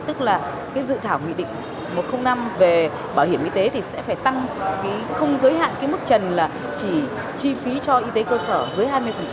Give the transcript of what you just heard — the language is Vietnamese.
tức là cái dự thảo nghị định một trăm linh năm về bảo hiểm y tế thì sẽ phải tăng không giới hạn cái mức trần là chỉ chi phí cho y tế cơ sở dưới hai mươi